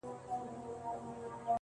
راته راگوري د رڼا پر كلي شپـه تـېـــروم~